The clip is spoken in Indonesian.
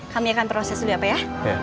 kami akan proses sudah pak ya